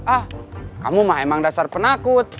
ah kamu mah emang dasar penakut